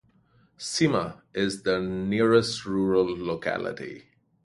Sima is the nearest rural locality.